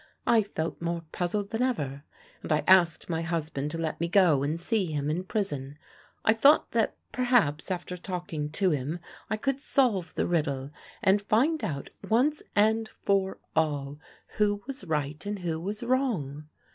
I felt more puzzled than ever, and I asked my husband to let me go and see him in prison. I thought that perhaps after talking to him I could solve the riddle, and find out once for all who was right and who was wrong.